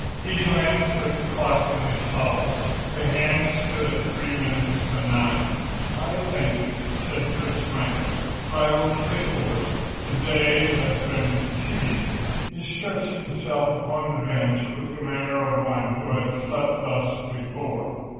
He glanced again at the clock in the tower. The hands stood at three minutes to nine. "I think," said Prince Michael, "that I will sleep a little. The day has been fatiguing." He stretched himself upon a bench with the manner of one who had slept thus before.